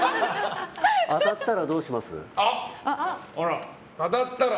当たったらどうします？